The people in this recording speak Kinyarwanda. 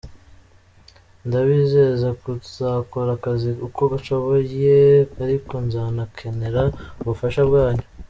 Ndabizeza kuzakora akazi uko nshoboye ariko nzanakenera ubufasha bwanyu.